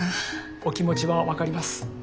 お気持ちは分かります。